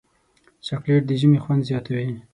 چاکلېټ د ژمي خوند زیاتوي.